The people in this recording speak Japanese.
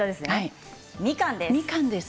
みかんです。